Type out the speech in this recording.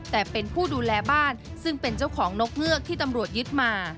แต่เป็นผู้ดูแลบ้านซึ่งเป็นเจ้าของนกเงือกที่ตำรวจยึดมา